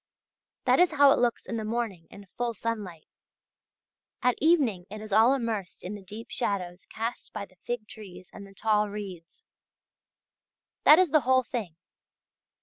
That is how it looks in the morning in full sunlight; at evening it is all immersed in the deep shadows cast by the fig trees and the tall reeds. That is the whole thing.